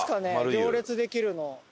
行列できるの。